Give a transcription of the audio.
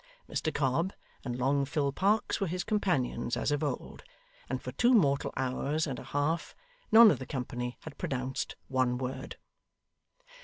Mr Cobb and long Phil Parkes were his companions, as of old, and for two mortal hours and a half, none of the company had pronounced one word.